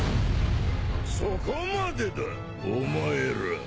そこまでだお前ら。